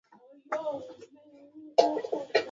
Nina magari mengi sana hapo